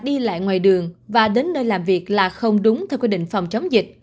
đi lại ngoài đường và đến nơi làm việc là không đúng theo quy định phòng chống dịch